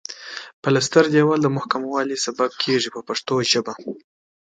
پلستر دېوال د محکموالي سبب کیږي په پښتو ژبه.